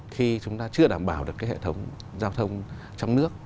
khi chúng ta chưa đảm bảo được cái hệ thống giao thông trong nước